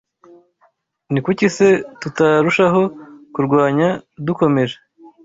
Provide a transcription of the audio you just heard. Ni kuki se tutarushaho kurwanya dukomeje